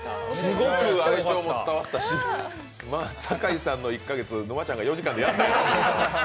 すごく愛情も伝わったし、酒井さんの１か月、沼ちゃんが４時間でやった。